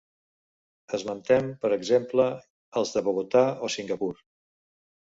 Esmentem, per exemple, els de Bogotà o Singapur.